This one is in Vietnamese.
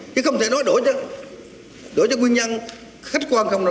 chứ không thể nói đổi cho nguyên nhân khách quan không nào